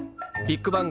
ビッグバン！